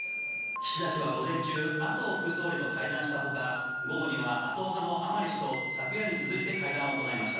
岸田氏は午前中、麻生副総理と会談したほか、午後には麻生派の甘利氏と昨夜に続いて会談を行いました。